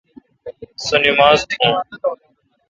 سو نماز تھون۔